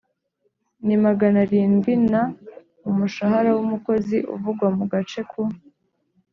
ni magana arindwi na Umushahara w umukozi uvugwa mu gace ku